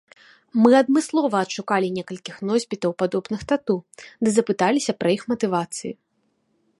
Мы адмыслова адшукалі некалькіх носьбітаў падобных тату ды запыталіся пра іх матывацыі.